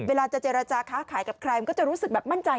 เวลาจะเจรจาค้าขายกับใครมันก็จะรู้สึกแบบมั่นใจ